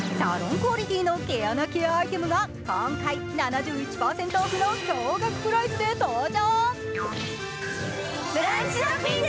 クオリティーの毛穴ケアアイテムが今回７１％オフの衝撃プライスで登場。